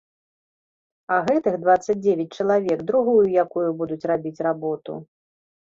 А гэтых дваццаць дзевяць чалавек другую якую будуць рабіць работу.